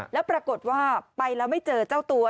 แล้วปรากฏว่าไปแล้วไม่เจอเจ้าตัว